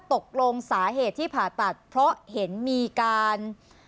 ตกลงสาเหตุที่ผ่าตัดเพราะเห็นมีการ